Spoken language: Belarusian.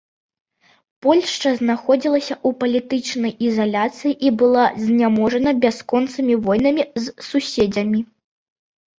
Польшча знаходзілася ў палітычнай ізаляцыі і была зняможана бясконцымі войнамі з суседзямі.